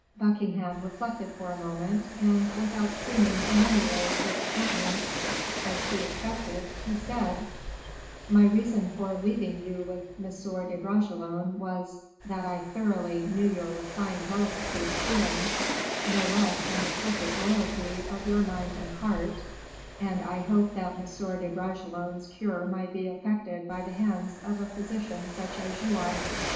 Buckingham reflected for a moment, and, without seeming in any way discountenanced, as she expected, he said: "My reason for leaving you with M. de Bragelonne was, that I thoroughly knew your refined delicacy of feeling, no less than the perfect loyalty of your mind and heart, and I hoped that M. de Bragelonne's cure might be effected by the hands of a physician such as you are."